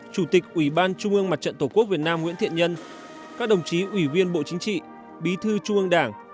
chủ tịch ủy ban trung ương mặt trận tổ quốc việt nam nguyễn thiện nhân các đồng chí ủy viên bộ chính trị bí thư trung ương đảng